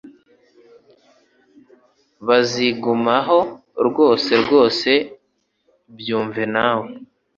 Bizagumaho rwose rwose byumve nawe